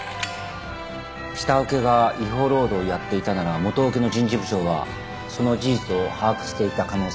下請けが違法労働をやっていたなら元請けの人事部長はその事実を把握していた可能性が高い。